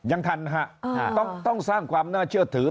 ยังทันฮะต้องสร้างความน่าเชื่อถือ